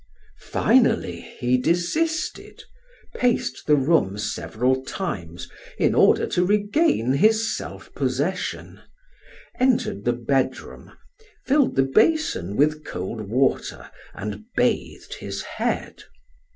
Finally he desisted, paced the room several times in order to regain his self possession, entered the bedroom, filled the basin with cold water and bathed his head.